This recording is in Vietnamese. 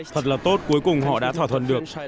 thật là tốt cuối cùng họ đã thỏa thuận được